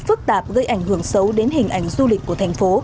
phức tạp gây ảnh hưởng xấu đến hình ảnh du lịch của thành phố